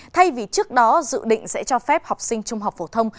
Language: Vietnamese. thay vì trước đó dự định sẽ cho phép học sinh trung học phổ thông